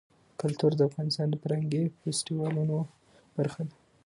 کلتور د افغانستان د فرهنګي فستیوالونو برخه ده.